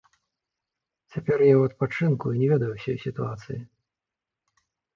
Цяпер я ў адпачынку і не ведаю ўсёй сітуацыі.